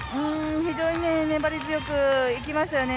非常に粘り強くいきましたよね。